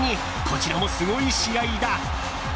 こちらも、すごい試合だ。